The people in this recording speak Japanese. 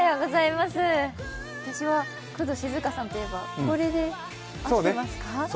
私は工藤静香さんといえば、これで合ってますか？